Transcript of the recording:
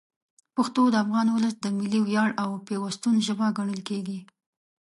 پښتو د افغان ولس د ملي ویاړ او پیوستون ژبه ګڼل کېږي.